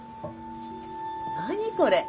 何これ？